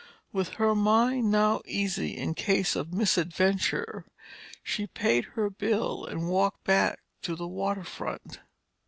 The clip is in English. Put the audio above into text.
With her mind now easy in case of misadventure, she paid her bill and walked back to the water front.